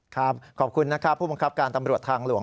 ขอบคุณนะครับผู้บังคับการตำรวจทางหลวง